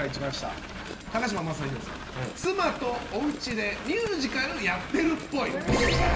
高嶋政宏さん、妻とおうちでミュージカルやってるっぽい。